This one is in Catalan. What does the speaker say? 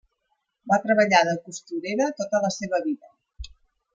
Va treballar de costurera tota la seva vida.